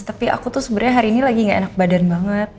tapi aku tuh sebenarnya hari ini lagi gak enak badan banget